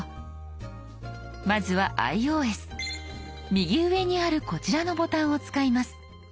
右上にあるこちらのボタンを使います。